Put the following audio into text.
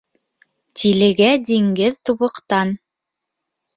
Тилегә диңгеҙ тубыҡтан.